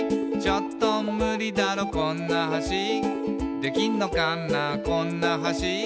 「ちょっとムリだろこんな橋」「できんのかなこんな橋」